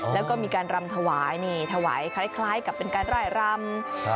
แล้วก็มีการรำถวายนี่ถวายคล้ายกับเป็นการร่ายรำ